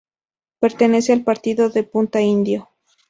Pertenece al partido de Punta Indio.